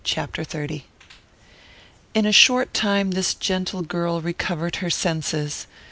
CHAPTER XXX. In a short time this gentle girl recovered her senses.